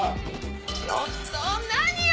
ちょっと何よ！